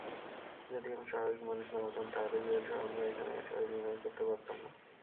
যদি আমি স্বাভাবিক মানুষ না হতাম তাহলে জুয়েলসহ আমরা এখানে একসাথে ডিনার করতে পারতামনা।